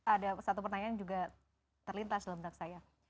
ada satu pertanyaan juga terlintas dalam taksaya